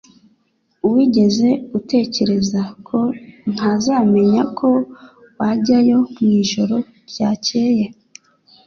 Wigeze utekereza ko ntazamenya ko wajyayo mwijoro ryakeye